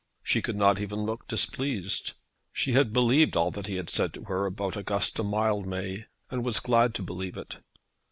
She could not even look displeased. She had believed all that he had said to her about Augusta Mildmay, and was glad to believe it.